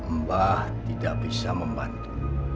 mbah tidak bisa membantu